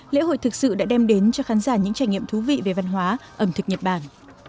lễ hội thực sự đã đem đến cho khán giả những trải nghiệm thú vị về văn hóa ẩm thực nhật bản